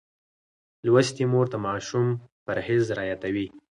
لوستې مور د ماشوم پرهېز رعایتوي.